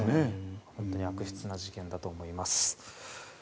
本当に悪質な事件だと思います。